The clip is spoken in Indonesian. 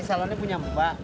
ini salonnya punya mbak